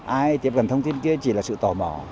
ai tiếp cận thông tin kia chỉ là sự tỏ bỏ